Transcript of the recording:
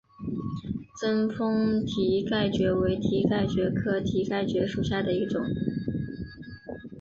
贞丰蹄盖蕨为蹄盖蕨科蹄盖蕨属下的一个种。